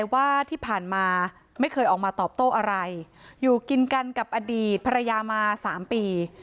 ว่าที่ผ่านมาไม่เคยออกมาตอบโต้อะไรอยู่กินกันกับอดีตภรรยามา๓ปี